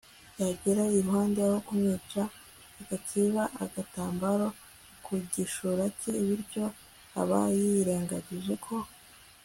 yamugera iruhande, aho kumwica agakeba agatambaro ku gishura cye, bityo aba yirengagije ko